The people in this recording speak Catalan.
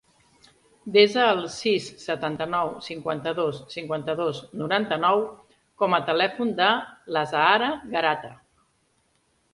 Desa el sis, setanta-nou, cinquanta-dos, cinquanta-dos, noranta-nou com a telèfon de l'Azahara Garate.